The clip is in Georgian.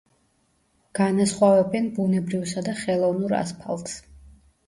განასხვავებენ ბუნებრივსა და ხელოვნურ ასფალტს.